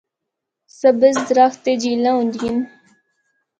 سبز درخت تے جھیلاں ہوندیاں ہن۔